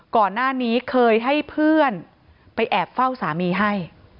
ก่อนหน้านี้เคยให้เพื่อนไปแอบเฝ้าสามีให้